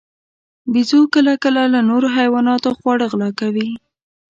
بیزو کله کله له نورو حیواناتو خواړه غلا کوي.